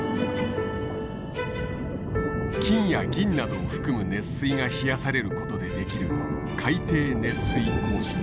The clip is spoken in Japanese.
金や銀などを含む熱水が冷やされることで出来る海底熱水鉱床。